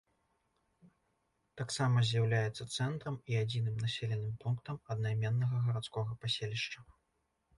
Таксама з'яўляецца цэнтрам і адзіным населеным пунктам аднайменнага гарадскога паселішча.